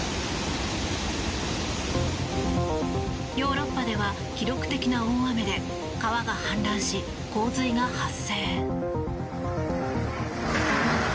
ヨーロッパでは記録的な大雨で川が氾濫し、洪水が発生。